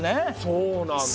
そうなんだ。